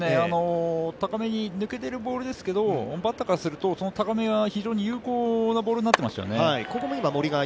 高めに抜けているボールですけど、バッターからするとその高めが非常に有効なボールになってましたよね。